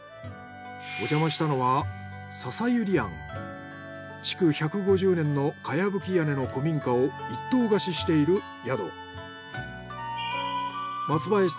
おじゃましたのは築１５０年の茅葺き屋根の古民家を一棟貸ししている宿。